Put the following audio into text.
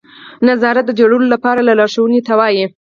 نظارت د جوړولو لپاره لارښوونې ته وایي.